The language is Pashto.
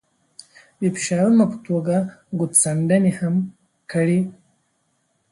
د فشارونو په توګه ګوتڅنډنې هم کړي.